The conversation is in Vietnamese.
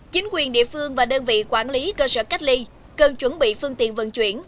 chính quyền địa phương và đơn vị quản lý cơ sở cách ly cần chuẩn bị phương tiện vận chuyển